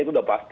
itu udah pasti